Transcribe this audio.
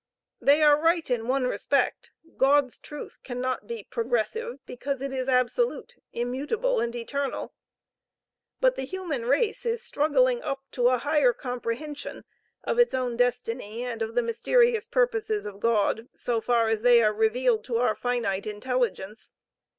They are right in one respect. God's truth cannot be progressive because it is absolute, immutable and eternal. But the human race is struggling up to a higher comprehension of its own destiny and of the mysterious purposes of God so far as they are revealed to our finite intelligence.